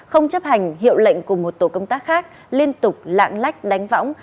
không chấp hành hiệu lệnh của một tổ công tác khác liên tục lạng lách đánh võng